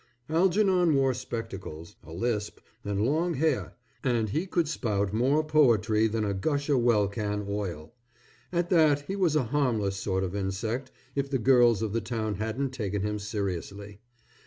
Algernon wore spectacles, a lisp, and long hair, and he could spout more poetry than a gusher well can oil. At that, he was a harmless sort of insect, if the girls of the town hadn't taken him seriously.